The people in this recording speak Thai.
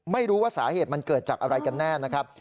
ไม่รู้ว่าสาเหตุมันเกิดจากอะไรกันแน่นะครับ